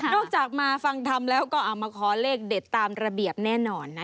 จากมาฟังทำแล้วก็เอามาขอเลขเด็ดตามระเบียบแน่นอนนะ